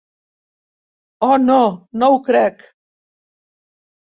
Oh, no, no ho crec!